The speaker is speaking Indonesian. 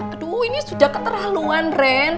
aduh ini sudah keterlaluan ren